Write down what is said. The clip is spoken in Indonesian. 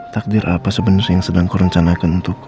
takdir apa sebenernya yang sedang kurencanakan untukku